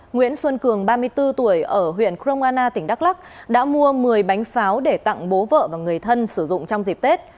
nguyễn xuân cường ba mươi bốn tuổi ở huyện krong anna tỉnh đắk lắc đã mua một mươi bánh pháo để tặng bố vợ và người thân sử dụng trong dịp tết